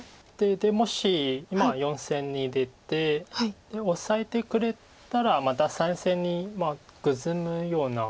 もし今４線に出てでオサえてくれたらまた３線にグズむような。